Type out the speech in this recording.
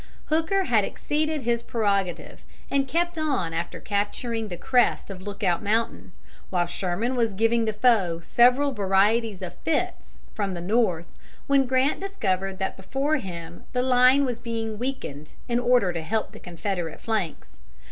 Hooker had exceeded his prerogative and kept on after capturing the crest of Lookout Mountain, while Sherman was giving the foe several varieties of fits, from the north, when Grant discovered that before him the line was being weakened in order to help the Confederate flanks.